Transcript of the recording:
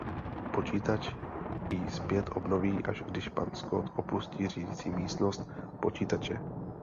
Počítač jí zpět obnoví až když pan Scott opustí řídící místnost počítače.